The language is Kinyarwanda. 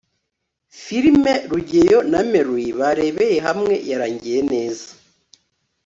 filime rugeyo na mary barebeye hamwe yarangiye neza